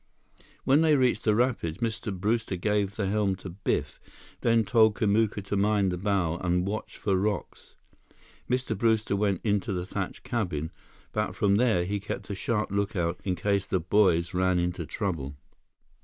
When they reached the rapids, Mr. Brewster gave the helm to Biff, then told Kamuka to mind the bow and watch for rocks. Mr. Brewster went into the thatched cabin, but from there, he kept a sharp lookout in case the boys ran into trouble.